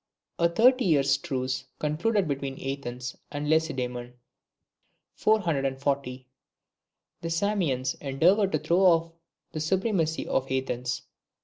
A thirty years' truce concluded between Athens and Lacedaemon. 440. The Samians endeavour to throw off the supremacy of Athens.